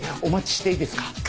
お待ちしていいですか？